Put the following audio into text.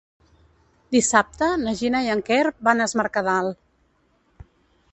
Dissabte na Gina i en Quer van a Es Mercadal.